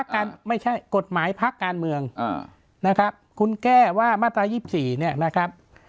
กฎหมายพรรคการเมืองพรฟาร์